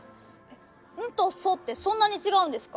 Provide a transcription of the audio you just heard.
ンとソってそんなにちがうんですか？